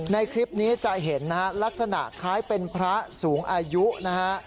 ในคลิปนี้จะเห็นนะฮะลักษณะคล้ายเป็นพระสูงอายุนะฮะ